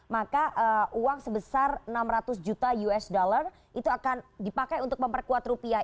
maka uang sebesar enam ratus juta usd itu akan dipakai untuk memperkuat rupiah